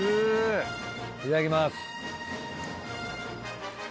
いただきます。